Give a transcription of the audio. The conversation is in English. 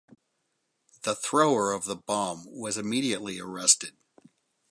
The thrower of the bomb was immediately arrested.